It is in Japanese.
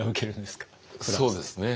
そうですね